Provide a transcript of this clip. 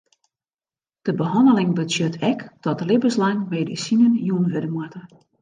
De behanneling betsjut ek dat libbenslang medisinen jûn wurde moatte.